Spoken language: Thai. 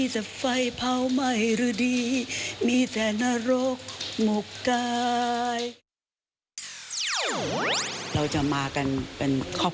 สุดยอดมากค่ะ